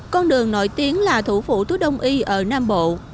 con đường nổi tiếng là thủ phủ thuốc đông y ở nam bộ